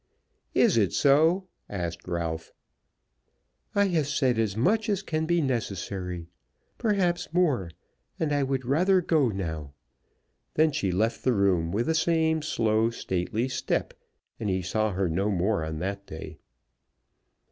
"Is it so?" asked Ralph. "I have said as much as can be necessary, perhaps more, and I would rather go now." Then she left the room with the same slow, stately step, and he saw her no more on that day.